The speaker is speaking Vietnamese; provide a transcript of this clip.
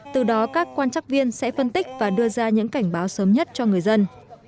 từ đó các quan trắc viên sẽ phân tích và đưa ra những cảnh báo sớm nhất cho người dân